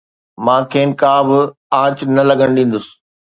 مان کين ڪا به اڃ نه لڳڻ ڏيندس